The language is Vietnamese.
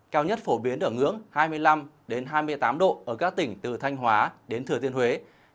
cao nhất phổ biến ở ngưỡng hai mươi năm hai mươi tám độ ở các tỉnh từ thanh hóa đến thừa thiên huế